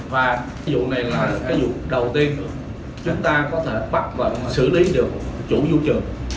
và vụ này là vụ đầu tiên chúng ta có thể bắt và xử lý được chủ dụ trường